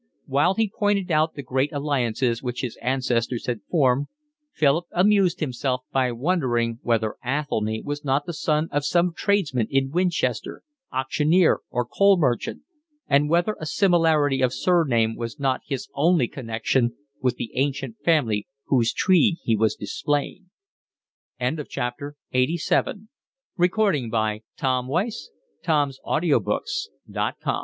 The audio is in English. While he pointed out the great alliances which his ancestors had formed, Philip amused himself by wondering whether Athelny was not the son of some tradesman in Winchester, auctioneer or coal merchant, and whether a similarity of surname was not his only connection with the ancient family whose tree he was displaying. LXXXVIII There was a knock at the door and a troop of children came in. They